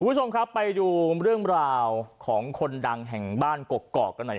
คุณผู้ชมครับไปดูเรื่องราวของคนดังแห่งบ้านกกอกกันหน่อย